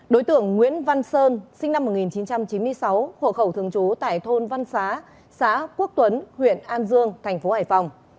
đối tượng nguyễn văn sơn sinh năm một nghìn chín trăm chín mươi sáu hộ khẩu thường trú tại thôn văn xá xã quốc tuấn huyện an dương thành phố hải phòng